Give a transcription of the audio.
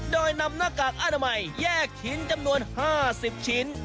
โดยนำหน้ากากอนามัยแยกชิ้นจำนวน๕๐ชิ้น